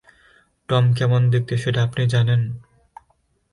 Tom কেমন দেখতে সেটা আপনি জানেন?